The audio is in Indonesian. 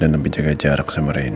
dan lebih jaga jarak sama reina